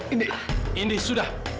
indi indi sudah